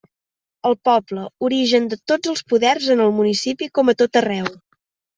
El poble, origen de tots els poders en el municipi com a tot arreu.